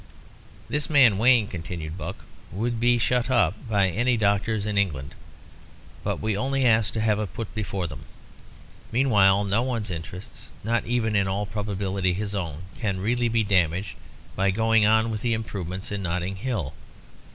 "This man Wayne," continued Buck, "would be shut up by any doctors in England. But we only ask to have it put before them. Meanwhile no one's interests, not even in all probability his own, can be really damaged by going on with the improvements in Notting Hill.